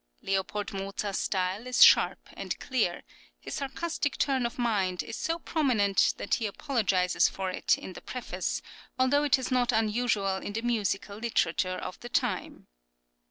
L. Mozart's style is sharp and clear; his sarcastic turn of mind is so prominent that he apologises for it in the preface, although it is not unusual in the musical literature of the time.